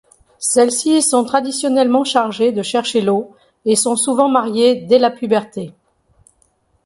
Celles-ci sont traditionnellement chargées de chercher l'eau et sont souvent mariées dès la puberté.